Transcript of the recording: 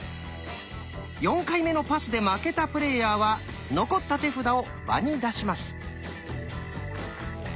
４回目のパスで負けたプレイヤーは残った手札を場に出します。